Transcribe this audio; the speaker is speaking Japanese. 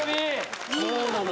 そうなの。